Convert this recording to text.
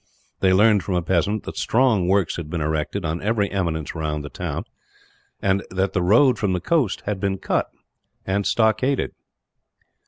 They learned, from a peasant, that strong works had been erected on every eminence round the town; and that the road from the coast had been cut, and stockaded.